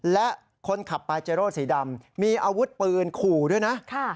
และคนขับปาเจโร่สีดำมีอาวุธปืนขู่ด้วยนะ